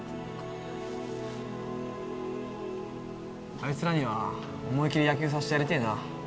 あいつらには思い切り野球させてやりてえな。